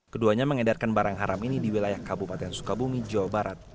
keduanya mengedarkan barang haram ini di wilayah kabupaten sukabumi jawa barat